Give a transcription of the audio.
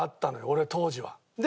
俺当時は。